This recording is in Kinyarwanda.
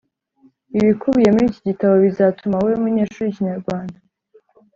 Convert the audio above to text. Ibikubiye muri iki gitabo, bizatuma wowe munyeshuri, Ikinyarwanda